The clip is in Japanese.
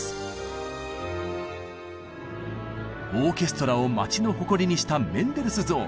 オーケストラを町の誇りにしたメンデルスゾーン。